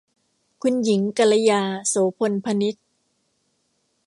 คุณหญิงกัลยา โสภณพนิช